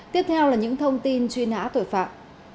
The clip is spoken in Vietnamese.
tiếp theo là những thông tin truy nã tội phạm